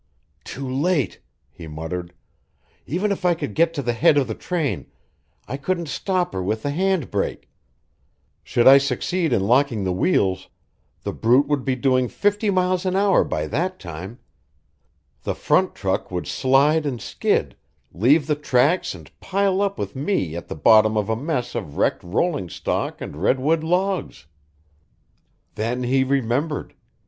"Too late!" he muttered. "Even if I could get to the head of the train, I couldn't stop her with the hand brake; should I succeed in locking the wheels, the brute would be doing fifty miles an hour by that time the front truck would slide and skid, leave the tracks and pile up with me at the bottom of a mess of wrecked rolling stock and redwood logs." Then he remembered.